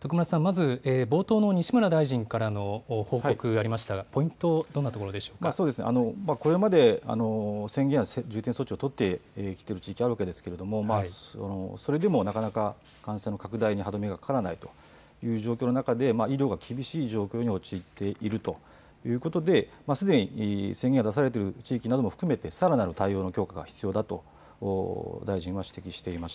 徳丸さん、まず、冒頭の西村大臣からの報告がありましたが、ポイこれまで宣言や重点措置を取ってきている地域、あるわけですけれども、それでも、なかなか感染の拡大に歯止めがかからないという状況の中で、医療が厳しい状況に陥っているということで、すでに宣言が出されている地域なども含めて、さらなる対応の強化が必要だと、大臣は指摘していました。